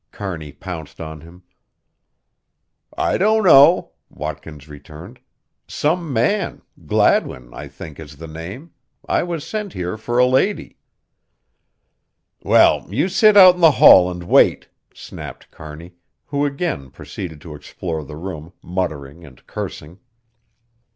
Kearney pounced on him. "I don't know," Watkins returned. "Some man Gladwin, I think, is the name. I was sent here for a lady." "Well, you sit out in the hall and wait," snapped Kearney, who again proceeded to explore the room, muttering and cursing.